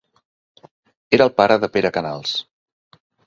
Era el pare de Pere Canals.